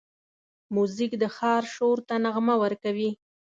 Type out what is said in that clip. موزیک د ښار شور ته نغمه ورکوي.